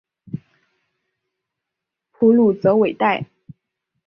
普卢泽韦代。